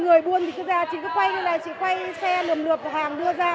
người buôn thì cứ ra chị cứ quay như thế này chị quay xe lượm lượp hàng đưa ra